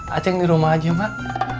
acing dirumah aja mak